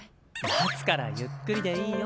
待つからゆっくりでいいよ。